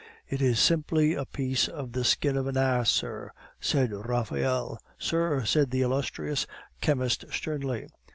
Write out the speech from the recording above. "It is simply a piece of the skin of an ass, sir," said Raphael. "Sir!" said the illustrious chemist sternly.